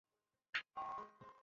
যেমন ভালো খাবার খেতে হবে।